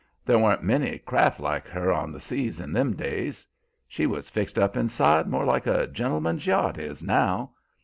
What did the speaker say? There wan't many craft like her on the seas in them days. She was fixed up inside more like a gentleman's yacht is now.